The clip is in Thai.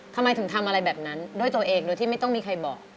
ทำไมถึงทำอะไรแบบนั้นด้วยตัวเองโดยที่ไม่ต้องมีใครบอก